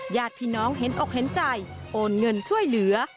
ญาติพี่น้องเห็นอกเห็นใจโอนเงินช่วยเหลือ